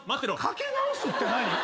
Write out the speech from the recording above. かけ直すって何？